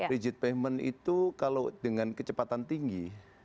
rigid payment itu kalau dengan kecepatan tinggi